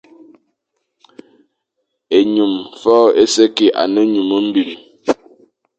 Ényum fôʼô é se kig a ne ényum mbim.